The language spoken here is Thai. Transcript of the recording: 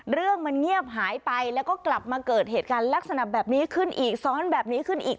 เรื่องมันเงียบหายไปแล้วก็กลับมาเกิดเหตุการณ์ลักษณะแบบนี้ขึ้นอีกซ้อนแบบนี้ขึ้นอีก